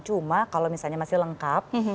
cuma kalau misalnya masih lengkap